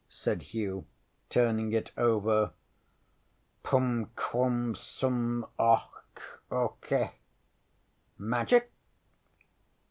ŌĆØ said Hugh, turning it over. ŌĆ£Pum quum sum oc occ. Magic?